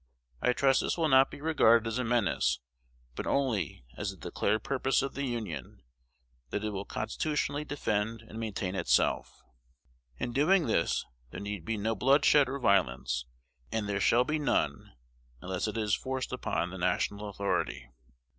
I trust this will not be regarded as a menace, but only as the declared purpose of the Union that it will constitutionally defend and maintain itself. In doing this, there need be no bloodshed or violence; and there shall be none unless it is forced upon the national authority.